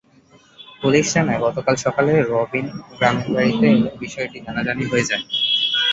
Police জানায়, গতকাল সকালে রবিন গ্রামের বাড়িতে এলে বিষয়টি জানাজানি হয়ে যায়।